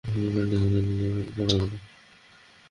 শুনো, লাস্ট সময়ে এসে তুমি আমাদের সাথে যোগ দিতে পারবে না।